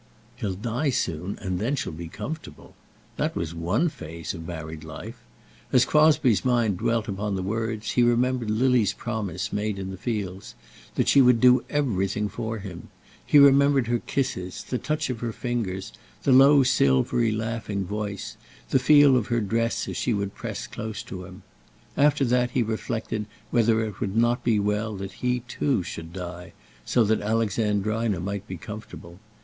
He'll die soon, and then she'll be comfortable! That was one phase of married life. As Crosbie's mind dwelt upon the words, he remembered Lily's promise made in the fields, that she would do everything for him. He remembered her kisses; the touch of her fingers; the low silvery laughing voice; the feel of her dress as she would press close to him. After that he reflected whether it would not be well that he too should die, so that Alexandrina might be comfortable.